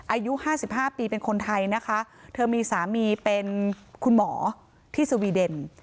อายุห้าสิบห้าปีเป็นคนไทยนะคะเธอมีสามีเป็นคุณหมอที่สวีเดน